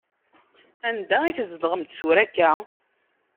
Anda i tzedɣemt tura akka?